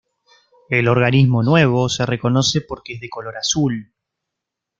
El organismo nuevo se reconoce por que es de color azul.